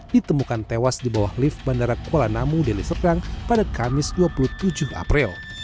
ditemukan tewas di bawah lift bandara kuala namu deli serdang pada kamis dua puluh tujuh april